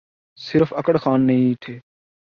صرف اکڑ خان نہیں تھے۔